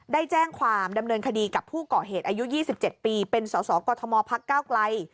ได้แจ้งความดำเนินคดีกับผู้ก่อเหตุอายุ๒๗ปีเป็นสสกมพักก้าวไกล